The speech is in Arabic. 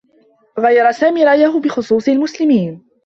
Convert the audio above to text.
غيّر سامي رأيه بخصوص المسلمين.